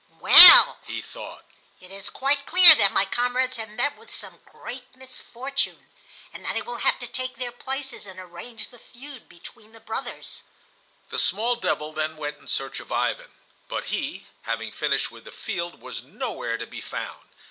"Well," he thought, "it is quite clear that my comrades have met with some great misfortune, and that I will have to take their places and arrange the feud between the brothers." The small devil then went in search of Ivan. But he, having finished with the field, was nowhere to be found.